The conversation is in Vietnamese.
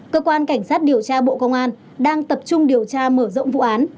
cơ quan cảnh sát điều tra bộ công an đang tập trung điều tra mở rộng vụ án